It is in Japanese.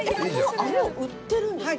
飴を売ってるんですか？